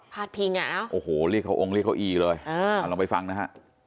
พาสพิงโอ้โหลี่เขาอองลี่เขาอี้เลยเอ้อลองไปฟังนะฮะ